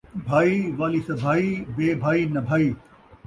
بھائی والی سبھائی بے بھائی نبھائی